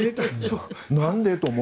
なんで？と思う。